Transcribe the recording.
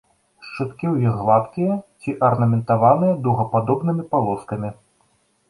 Шчыткі ў іх гладкія ці арнаментаваныя дугападобнымі палоскамі.